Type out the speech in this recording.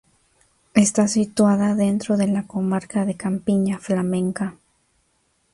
Está situada dentro de la comarca de Campiña Flamenca.